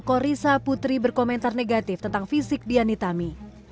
korisa putri berkomentar negatif tentang fisik dianitami